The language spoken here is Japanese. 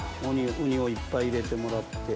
ウニをいっぱい入れてもらって。